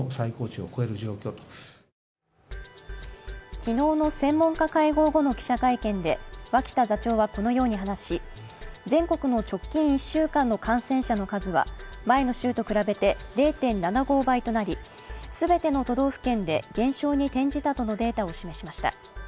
昨日の専門家会合後の記者会見で、脇田座長はこのように話し全国の直近１週間の感染者の数は前の週と比べて０．７５倍となり全ての都道府県で減少に転じたとのデータを示しました。